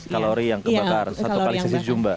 kalori yang kebakar satu kali sesi zumba